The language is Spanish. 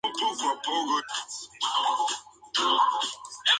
Allí se graduó en la Escuela media bielorrusa.